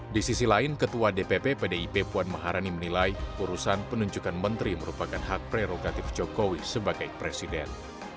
di sisi lain ketua dpp pdip puan maharani menilai urusan penunjukan menteri merupakan hak prerogatif jokowi sebagai presiden